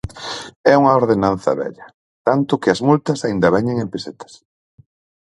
É unha ordenanza vella, tanto que as multas aínda veñen en pesetas.